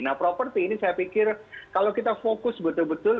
nah properti ini saya pikir kalau kita fokus betul betul